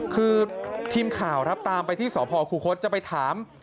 คือทีมข่าวครับตามไปที่สพคูคศจะไปถาม